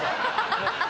ハハハ。